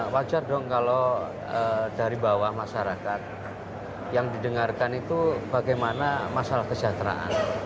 wajar dong kalau dari bawah masyarakat yang didengarkan itu bagaimana masalah kesejahteraan